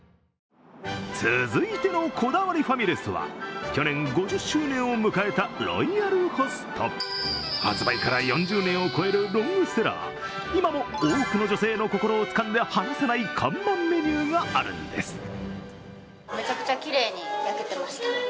続いてのこだわりファミレスは去年５０周年を迎えたロイヤルホスト発売から４０年を超えるロングセラー、今も多くの女性の心をつかんで離さない看板メニューがあるんです。